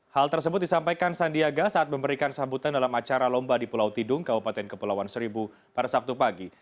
hal tersebut disampaikan sandiaga saat memberikan sambutan dalam acara lomba di pulau tidung kabupaten kepulauan seribu pada sabtu pagi